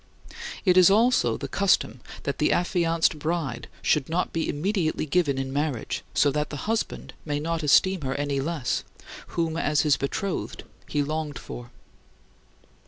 It is also the custom that the affianced bride should not be immediately given in marriage so that the husband may not esteem her any less, whom as his betrothed he longed for.